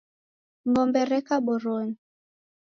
Ng'ombe reka boronyi.